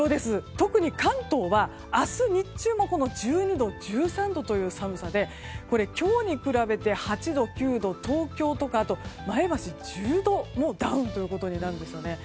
特に関東は明日の日中も１２度、１３度という寒さで今日に比べて８度、９度東京とか前橋は１０度もダウンということになるんです。